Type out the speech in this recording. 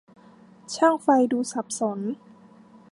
ช่างไฟดูสับสน